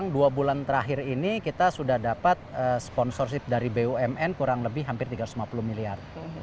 dua bulan terakhir ini kita sudah dapat sponsorship dari bumn kurang lebih hampir tiga ratus lima puluh miliar